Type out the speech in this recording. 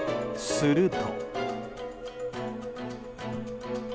すると。